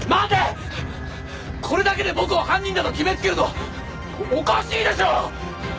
これだけで僕を犯人だと決めつけるのはおかしいでしょう！？